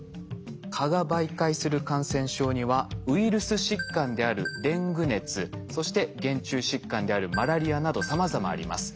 蚊が媒介する感染症にはウイルス疾患であるデング熱そして原虫疾患であるマラリアなどさまざまあります。